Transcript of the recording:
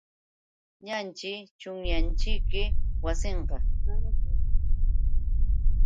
Illanćhi, chunyanćhiki wasinqa.